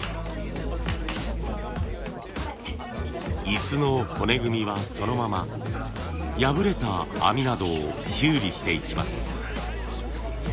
椅子の骨組みはそのまま破れた編みなどを修理していきます。